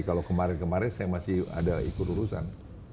kalau kemarin kemarin saya masih ada ikut urusan